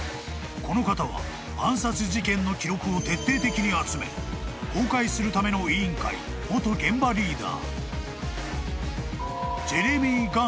［この方は暗殺事件の記録を徹底的に集め公開するための委員会元現場リーダー］